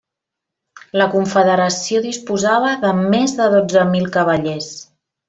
La confederació disposava de més de dotze mil cavallers.